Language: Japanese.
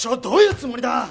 どういうつもりだ！